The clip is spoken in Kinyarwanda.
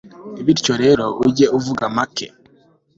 bityo rero ujye uvuga make